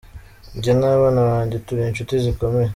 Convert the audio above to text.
Njye n’abana banjye turi inshuti zikomeye”.